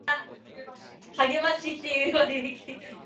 It is unknown what form these games took.